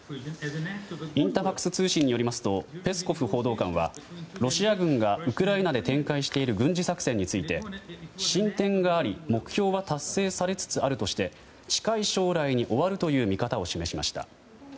インタファクス通信によりますとペスコフ報道官は、ロシア軍がウクライナで展開している軍事作戦について進展があり目標は達成されつつあるとして近い将来に終わるという見方を示しました。